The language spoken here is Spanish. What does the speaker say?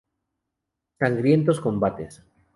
Sangrientos combates.